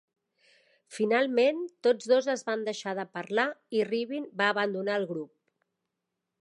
Finalment, tots dos es van deixar de parlar, i Rybin va abandonar el grup.